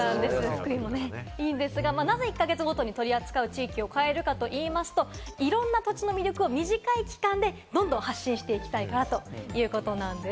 福井もいいんですが、なぜ１か月ごとに取り扱う地域を変えるかといいますと、いろんな土地の魅力を短い期間で発信、どんどん発信していきたいということなんです。